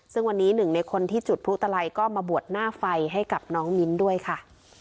ซึ่งวันนี้หนึ่งในคนที่จุดพลุตลัยก็มาบวชหน้าไฟให้กับน้องมิ้นด้วยค่ะ